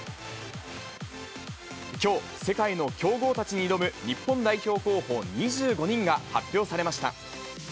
きょう、世界の強豪たちに挑む日本代表候補２５人が発表されました。